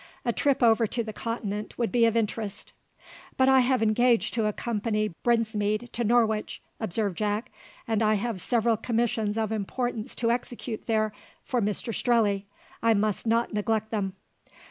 A trip over to the Continent would be of interest." "But I have engaged to accompany Brinsmead to Norwich," observed Jack; "and I have several commissions of importance to execute there for Mr Strelley. I must not neglect them."